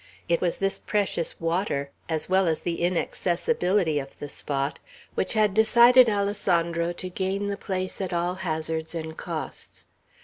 It was this precious water, as well as the inaccessibility of the spot, which had decided Alessandro to gain the place at all hazards and costs.